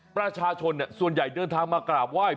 ประชาชนส่วนใหญ่เดินทางมากราบไหว้